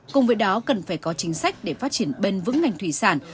cùng với đó cần phải có chính sách để phát triển bền vững ngành thủy sản